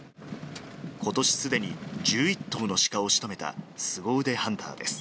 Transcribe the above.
ことしすでに１１頭のシカをしとめたすご腕ハンターです。